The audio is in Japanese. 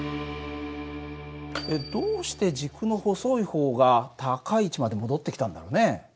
どうして軸の細い方が高い位置まで戻ってきたんだろうね？